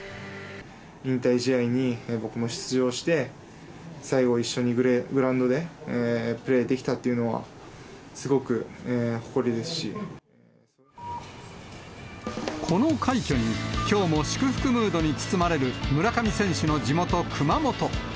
引退試合に僕も出場して、最後一緒にグラウンドでプレーできたっていうのは、すごく誇りでこの快挙に、きょうも祝福ムードに包まれる村上選手の地元、熊本。